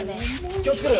気を付けろよ。